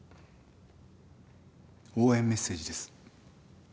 応援メッセージです。